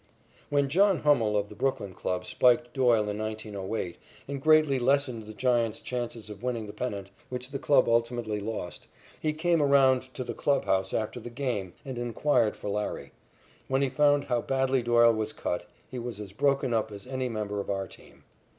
When John Hummel of the Brooklyn club spiked Doyle in 1908, and greatly lessened the Giants' chances of winning the pennant, which the club ultimately lost, he came around to our clubhouse after the game and inquired for Larry. When he found how badly Doyle was cut, he was as broken up as any member of our team.